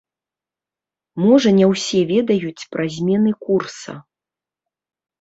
Можа не ўсе ведаюць пра змены курса.